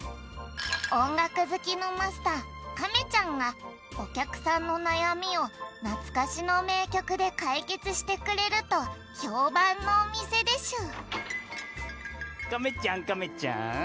おんがくずきのマスター亀ちゃんがおきゃくさんのなやみをなつかしのめいきょくでかいけつしてくれるとひょうばんのおみせでしゅ・亀ちゃん亀ちゃん。